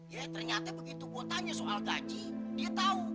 ya ternyata begitu gue tanya soal gaji dia tahu